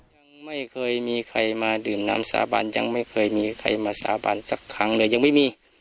ยังไม่เคยมีใครมาดื่มน้ำสาบานยังไม่เคยมีใครมาสาบานสักครั้งเลยยังไม่มี